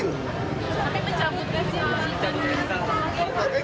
tapi mencabutkan izin